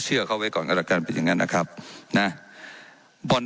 เจ้าหน้าที่ของรัฐมันก็เป็นผู้ใต้มิชชาท่านนมตรี